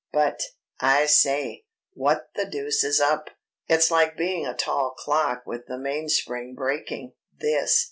"But ... I say, what the deuce is up? It's like being a tall clock with the mainspring breaking, this."